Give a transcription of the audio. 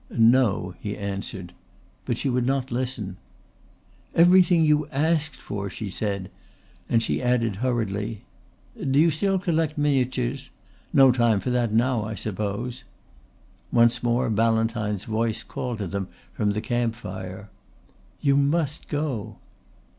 "No," he answered. But she would not listen. "Everything you asked for," she said and she added hurriedly, "Do you still collect miniatures? No time for that now I suppose." Once more Ballantyne's voice called to them from the camp fire. "You must go."